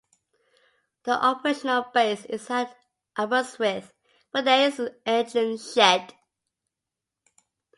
The operational base is at Aberystwyth, where there is an engine shed.